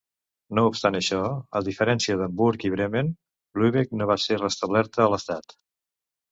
No obstant això, a diferència d'Hamburg i Bremen, Lübeck no va ser restablerta a l'estat.